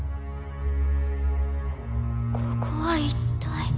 ここは一体。